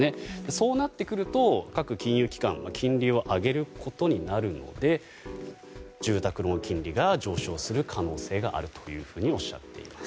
そうなってくると、各金融機関が金利を上げることになるので住宅ローン金利が上昇する可能性があるとおっしゃっています。